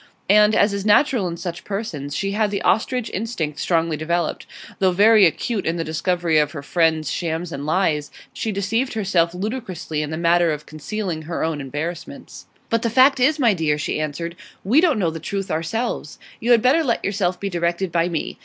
And, as is natural in such persons, she had the ostrich instinct strongly developed; though very acute in the discovery of her friends' shams and lies, she deceived herself ludicrously in the matter of concealing her own embarrassments. 'But the fact is, my dear,' she answered, 'we don't know the truth ourselves. You had better let yourself be directed by me.